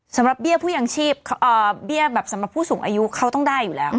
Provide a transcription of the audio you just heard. สำหรับเบี้ยผู้ยังชีพเบี้ยแบบสำหรับผู้สูงอายุเขาต้องได้อยู่แล้ว